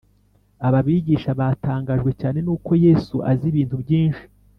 Aba bigisha batangajwe cyane n uko yesu azi ibintu byinshi